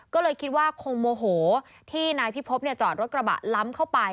ก็เลยคิดว่าคงโมโหที่นายพิพบจอดรถกระบะล้ำเข้าไป